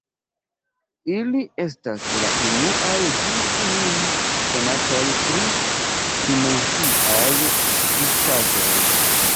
Ili estas la unuaj ĝis nun konataj tri-dimensiaj skulptaĵoj.